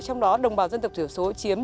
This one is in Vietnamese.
trong đó đồng bào dân tộc tiểu số chiếm chín mươi